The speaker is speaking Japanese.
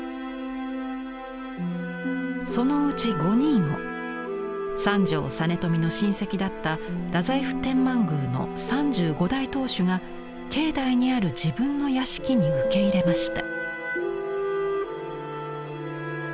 そのうち５人を三条実美の親戚だった太宰府天満宮の３５代当主が境内にある自分の屋敷に受け入れました。